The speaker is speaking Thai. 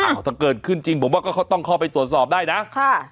ถ้าเกิดขึ้นจริงผมว่าก็ต้องเข้าไปตรวจสอบได้นะค่ะ